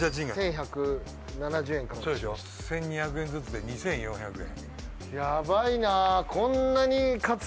１，２００円ずつで２，４００円。